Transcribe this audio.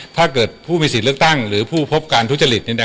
ถ้าเกิดผู้มีสิทธิ์เลือกตั้งหรือผู้พบการทุจริต